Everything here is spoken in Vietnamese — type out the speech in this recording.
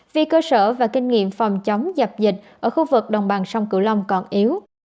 vì cơ sở và kinh nghiệm phòng chống dập dịch ở khu vực đồng bằng sông cửu long còn yếu